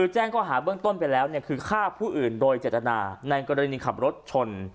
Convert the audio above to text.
แจ้งข้อหาเบื้องต้นไปแล้วคือฆ่าผู้อื่นโดยเจตนาในกรณีขับรถชน